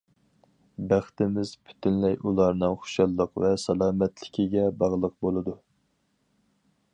بەختىمىز پۈتۈنلەي ئۇلارنىڭ خۇشاللىق ۋە سالامەتلىكىگە باغلىق بولىدۇ.